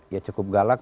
ya cukup galak